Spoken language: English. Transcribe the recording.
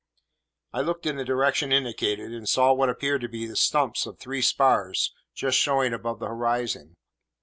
I looked in the direction indicated, and saw what appeared to be the stumps of three spars just showing above the horizon.